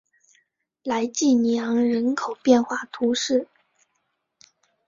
莱济尼昂人口变化图示